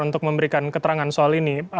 untuk memberikan keterangan soal ini